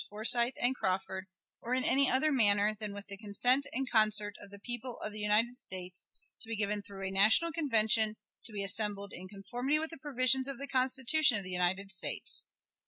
Forsyth and Crawford, or in any other manner than with the consent and concert of the people of the United States, to be given through a National Convention, to be assembled in conformity with the provisions of the Constitution of the United States.